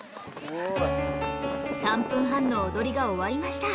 ３分半の踊りが終わりました。